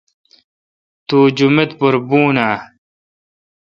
تو جومت پر بھون اؘ۔